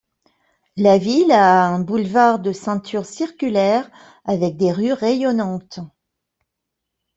La ville a un boulevard de ceinture circulaire avec des rues rayonnantes.